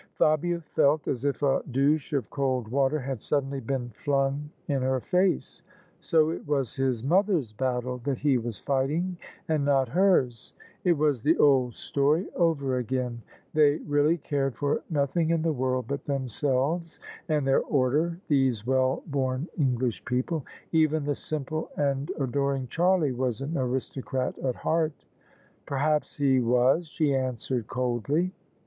" Fabia felt as if a douche of cold water had suddenly been flung in her face. So it was his mother's battle that he was fighting, and not hers! It was the old story over again. They really cared for nothing in the world but themselves and their order, these well bom English people. Even the simple and adoring Charlie was an aristocrat at heart. " Perhaps he was," she answered coldly.